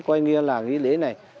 coi như là nghi lễ này